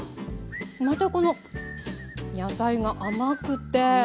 またこの野菜が甘くて。